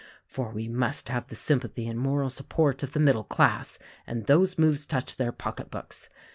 For we must have the sympathy and moral support of the middle class; and those moves touched their pocketbooks.